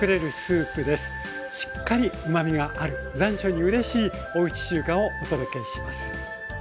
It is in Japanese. しっかりうまみがある残暑にうれしいおうち中華をお届けします。